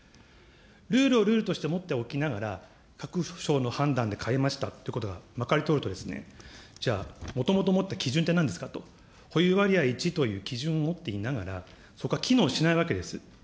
ルールをルールとして持っておきながら、各府省の判断で変えましたっていうことがまかり通ると、じゃあ、もともともった基準ってなんですかと、保有割合１という基準を持っていながら、そこは機能しないわけです。